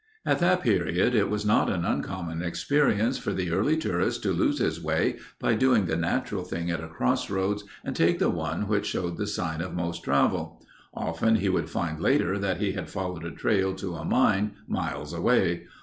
At that period it was not an uncommon experience for the early tourist to lose his way by doing the natural thing at a crossroads and take the one which showed the sign of most travel. Often he would find later that he had followed a trail to a mine miles away.